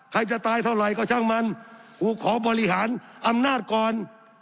ใครจะตายเท่าไหร่ก็ช่างมันกูขอบริหารอำนาจก่อน